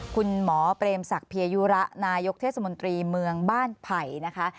คุณหมอเปรมศักดิยยุระนายกเทศมนตรีเมืองบ้านไผ่นะคะ